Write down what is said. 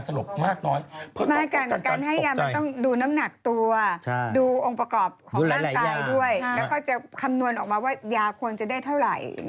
ดูหลายยาแล้วก็จะคำนวณออกมาว่ายาควรจะได้เท่าไหร่